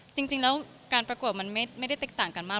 จริงแล้วการประกวดมันไม่ได้แตกต่างกันมาก